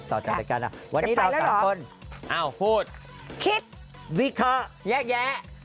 สวัสดีค่ะ